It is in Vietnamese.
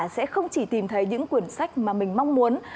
sẽ không chỉ tìm thấy những quyển sách mà mình mong muốn